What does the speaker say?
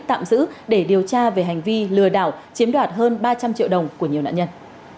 tạm giữ để điều tra về hành vi lừa đảo chiếm đoạt hơn ba trăm linh triệu đồng của nhiều nạn nhân